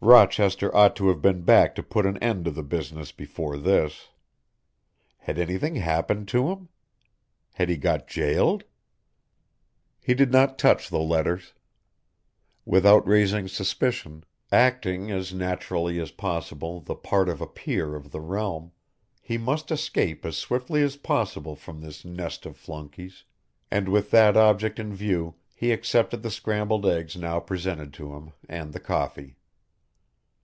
Rochester ought to have been back to put an end to the business before this. Had anything happened to him? Had he got jailed? He did not touch the letters. Without raising suspicion, acting as naturally as possible the part of a peer of the realm, he must escape as swiftly as possible from this nest of flunkeys, and with that object in view he accepted the scrambled eggs now presented to him, and the coffee.